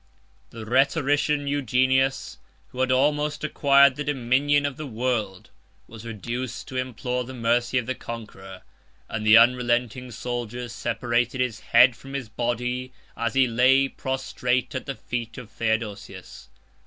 The rhetorician Eugenius, who had almost acquired the dominion of the world, was reduced to implore the mercy of the conqueror; and the unrelenting soldiers separated his head from his body as he lay prostrate at the feet of Theodosius.